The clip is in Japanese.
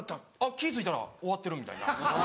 気ぃ付いたら終わってるみたいな。